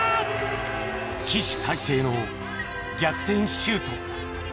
起死回生の逆転シュート。